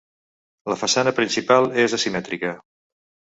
La façana principal és asimètrica.